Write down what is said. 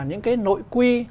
những cái nội quy